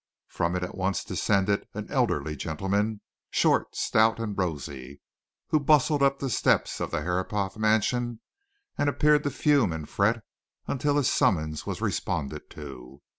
From it at once descended an elderly gentleman, short, stout, and rosy, who bustled up the steps of the Herapath mansion and appeared to fume and fret until his summons was responded to.